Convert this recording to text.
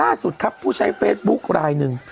ล่าสุดครับผู้ใช้เฟซบุ๊คลายหนึ่ง